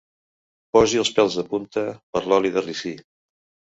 Posi els pèls de punta per l'oli de ricí.